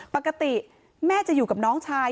ปกติแม่จะอยู่กับน้องชาย